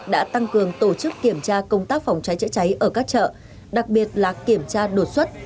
đã tăng cường tổ chức kiểm tra công tác phòng cháy chữa cháy ở các chợ đặc biệt là kiểm tra đột xuất